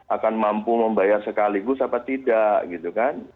akan mampu membayar sekaligus apa tidak gitu kan